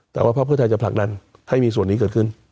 แต่ว่าภาคเพื่อไทยจะผลักดันให้มีส่วนนี้เกิดขึ้น